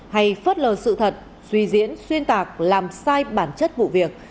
hay phớt lờ sự thật suy diễn xuyên tạc làm sai bản chất vụ việc